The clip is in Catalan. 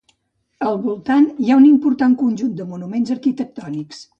Al voltant hi ha un important conjunt de monuments arquitectònics.